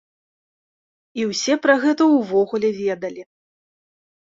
І ўсе пра гэта ўвогуле ведалі.